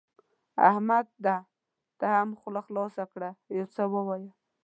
احمده ته هم خوله خلاصه کړه؛ يو څه ووايه.